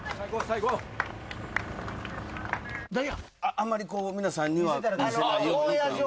あんまりこう皆さんには見せないように。